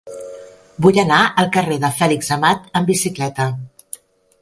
Vull anar al carrer de Fèlix Amat amb bicicleta.